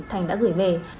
thành đã gửi về